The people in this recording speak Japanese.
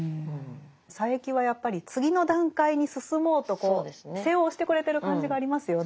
佐柄木はやっぱり次の段階に進もうと背を押してくれてる感じがありますよね。